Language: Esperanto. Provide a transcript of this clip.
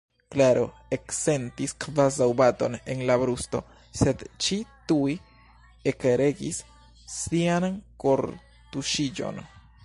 Klaro eksentis kvazaŭ baton en la brusto, sed ŝi tuj ekregis sian kortuŝiĝon.